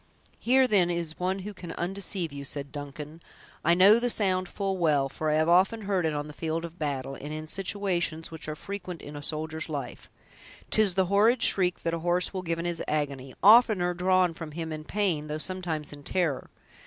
"Here, then, is one who can undeceive you," said Duncan; "I know the sound full well, for often have I heard it on the field of battle, and in situations which are frequent in a soldier's life. 'Tis the horrid shriek that a horse will give in his agony; oftener drawn from him in pain, though sometimes in terror.